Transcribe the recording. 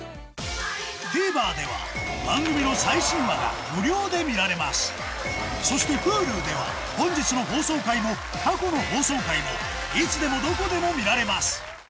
ＴＶｅｒでは番組の最新話が無料で見られますそしてＨｕｌｕでは本日の放送回も過去の放送回もいつでもどこでも見られます